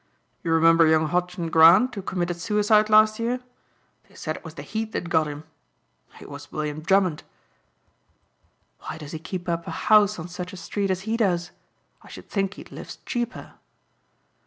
You remember young Hodgson Grant who committed suicide last year. They said it was the heat that got him. It was William Drummond." "Why does he keep up a house on such a street as he does? I should think he'd live cheaper."